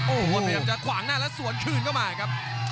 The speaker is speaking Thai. โอ้โหพยายามจะขวางหน้าแล้วสวนคืนเข้ามาครับ